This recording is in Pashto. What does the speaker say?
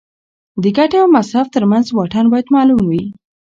د ګټې او مصرف ترمنځ واټن باید معلوم وي.